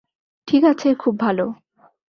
ঠিক আছে, খুব ভালো।